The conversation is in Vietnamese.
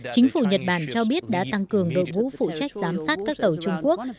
chính phủ nhật bản cho biết đã tăng cường đội ngũ phụ trách giám sát các tàu trung quốc